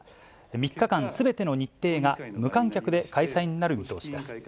３日間すべての日程が無観客で開催になる見通しです。